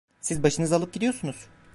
Siz başınızı alıp gidiyorsunuz.